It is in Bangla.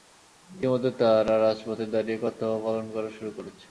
ইতিমধ্যে তাঁরা রাজপথে দাঁড়িয়ে কর্তব্য পালন করা শুরু করেছেন।